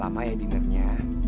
kamu bisa campa aku ya